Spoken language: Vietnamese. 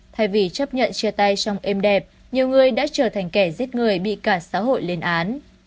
thay vì chấp nhận chia tay trong êm đẹp nhiều người đã trở thành kẻ giết người bị cả xã hội lên án